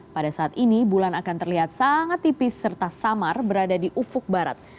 pada saat ini bulan akan terlihat sangat tipis serta samar berada di ufuk barat